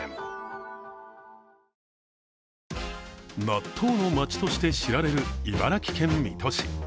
納豆の街として知られる茨城県水戸市。